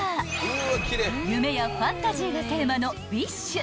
［夢やファンタジーがテーマのウィッシュ］